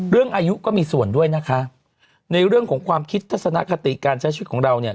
เรื่องอายุก็มีส่วนด้วยนะคะในเรื่องของความคิดทัศนคติการใช้ชีวิตของเราเนี่ย